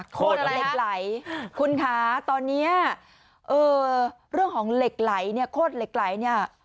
โคตรเหล็กไหลคุณคะตอนนี้เรื่องของเหล็กไหลเนี่ยโคตรเหล็กไหลเนี่ย